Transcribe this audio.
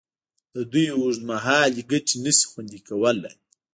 د دوی اوږدمهالې ګټې نشي خوندي کولې.